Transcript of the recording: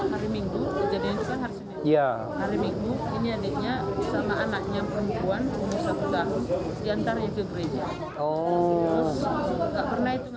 hari minggu ini adiknya sama anaknya perempuan umur satu tahun diantar itu ke gereja